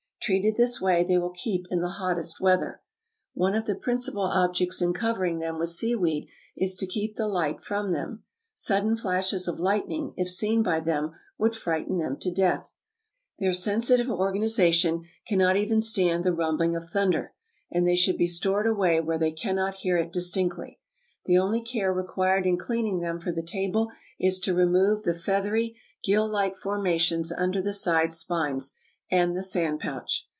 Treated this way, they will keep in the hottest weather. One of the principal objects in covering them with seaweed is to keep the light from them. Sudden flashes of lightning, if seen by them, would frighten them to death. Their sensitive organization cannot even stand the rumbling of thunder, and they should be stored away where they cannot hear it distinctly. The only care required in cleaning them for the table is to remove the feathery gill like formations under the side spines, and the sand pouch.